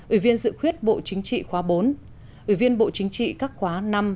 ủy viên dự quyết bộ chính trị khóa bốn ủy viên bộ chính trị các khóa năm sáu bảy tám